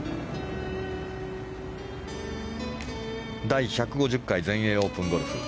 第１５０回全英オープンゴルフ。